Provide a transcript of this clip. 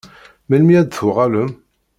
Melmi ad d-tuɣalem?